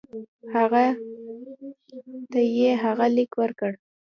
هغه ته یې هغه لیک ورکړ.